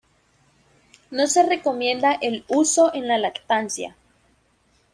No se recomienda el uso en la lactancia.